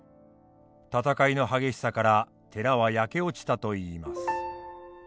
戦いの激しさから寺は焼け落ちたといいます。